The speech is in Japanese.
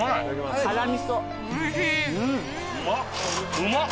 うまっ！